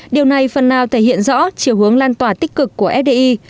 điều này phần nào thể hiện rõ chiều hướng lan tỏa tích cực của fdi